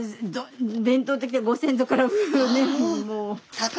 伝統的ってご先祖からねっもう。